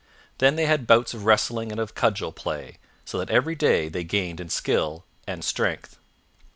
Then they had bouts of wrestling and of cudgel play, so that every day they gained in skill and strength.